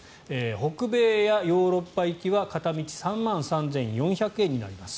北米やヨーロッパ行きは片道３万３４００円になります。